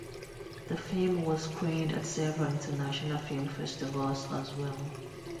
The film was screened at several international film festivals as well.